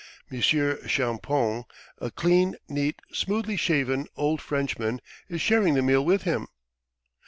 Monsieur Champoun, a clean, neat, smoothly shaven, old Frenchman, is sharing the meal with him.